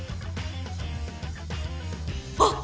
あっ！